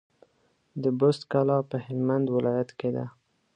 د بُست کلا په هلمند ولايت کي ده